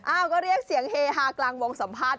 ก็เรียกเสียงเฮฮากลางวงสัมภาษณ